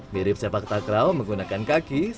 mirip sepak takral menggunakan kaki